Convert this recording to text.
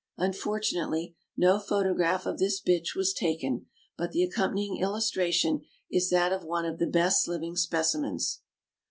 Unfortunately, no photograph of this bitch was taken, but the accompanying illustration is that of one of the best living specimens.